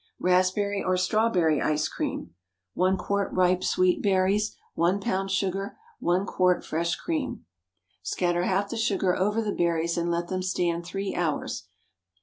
RASPBERRY OR STRAWBERRY ICE CREAM. ✠ 1 quart ripe sweet berries. 1 lb. sugar. 1 quart fresh cream. Scatter half the sugar over the berries and let them stand three hours.